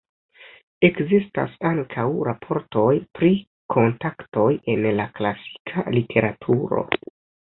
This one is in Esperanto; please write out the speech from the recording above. Ekzistas ankaŭ raportoj pri kontaktoj en la klasika literaturo.